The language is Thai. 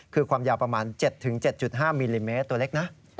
คือความยาวประมาณ๗๗๕มิลลิเมตรตัวเล็กนะ